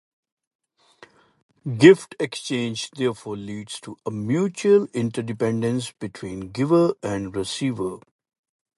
Gift exchange therefore leads to a mutual interdependence between giver and receiver.